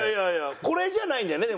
これじゃないんだよね？